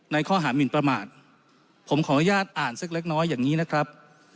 ในข้อหามินประมาทผมขออนุญาตอ่านสักเล็กน้อยอย่างนี้นะครับ